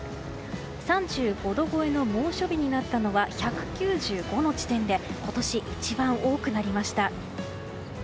３５度超えの猛暑日になったのは１９５の地点で今年一番多くなりました。